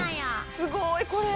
すごい！これ。